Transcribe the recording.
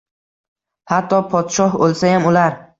Hatto podshoh oʻlsayam, ular